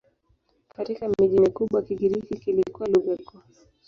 Katika miji mikubwa Kigiriki kilikuwa lugha kuu.